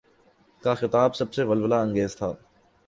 کا خطاب سب سے ولولہ انگیز تھا۔